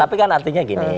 tapi kan artinya gini